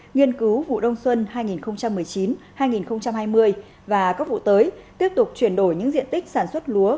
nghiên cứu vụ đông xuân hai nghìn một mươi chín hai nghìn hai mươi và các vụ tới tiếp tục chuyển đổi những diện tích sản xuất lúa